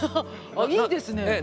あっいいですね。